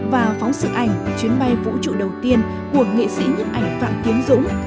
và phóng sự ảnh chuyến bay vũ trụ đầu tiên của nghệ sĩ nhân ảnh phạm tiến dũng